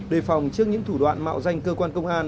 đề phòng trước những thủ đoạn mạo danh cơ quan công an